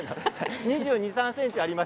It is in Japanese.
２３ｃｍあります。